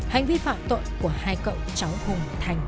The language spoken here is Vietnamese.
hành vi phạm tội của hai cậu cháu hùng thành